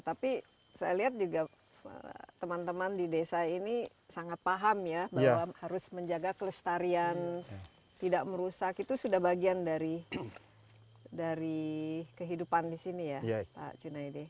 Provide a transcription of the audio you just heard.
tapi saya lihat juga teman teman di desa ini sangat paham ya bahwa harus menjaga kelestarian tidak merusak itu sudah bagian dari kehidupan di sini ya pak junaidi